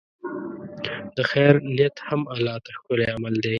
د خیر نیت هم الله ته ښکلی عمل دی.